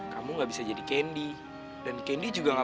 kamu harus jadi diri kamu sendiri angel